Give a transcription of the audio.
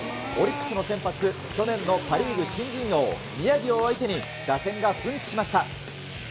オリックスの先発、去年のパ・リーグ新人王、宮城を相手に、打線が奮起しました。